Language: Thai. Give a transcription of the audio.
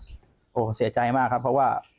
โอ้โหเสียใจมากครับเพราะว่า